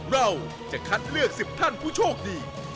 เราจะคัดเลือก๑๐ท่านผู้โชคดี